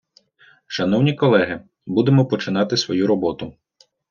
Шановні колеги, будемо починати свою роботу.